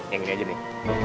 yang ini aja nih